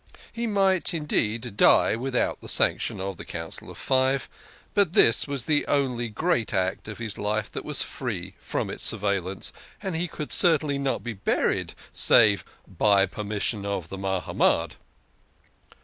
He might, indeed, die without the sanction of the Council of Five, but this was the only great act of his life which was free from its surveillance, and he could certainly not be buried save " by permission of the Mahamad."